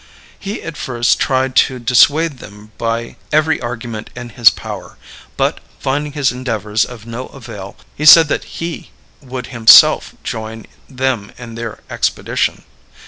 He at first tried to dissuade them by every argument in his power, but, finding his endeavors of no avail, he said that he would himself join them in their expedition.